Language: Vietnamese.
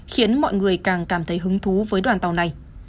khiến mọi người càng cảm thấy hứng thú với đoàn tàu này